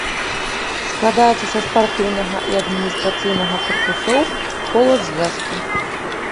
Складаецца са спартыўнага і адміністрацыйнага карпусоў, хола-звязкі.